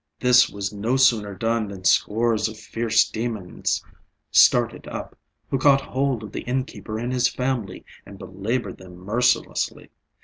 This was no sooner done than scores of fierce demons started up, who caught hold of the innkeeper and his family and belaboured them mercilessly.